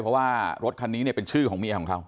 เพราะว่ารถคันนี้เนี่ยเป็นชื่อของเมียของเขา